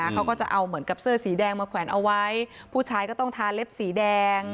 เขาก็จะเอาเหมือนกับเสื้อสีแดงมาแขวนเอาไว้ผู้ชายก็ต้องทาเล็บสีแดง